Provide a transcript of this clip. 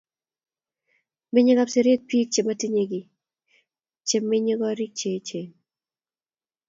Menyey Kapseret piik che matinyei kiy, che menye koriik che yachen.